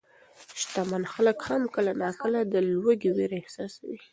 شتمن خلک هم کله ناکله د لوږې وېره احساسوي.